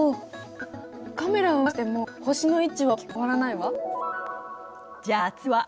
カメラを動かしても星の位置は大きく変わらないわ。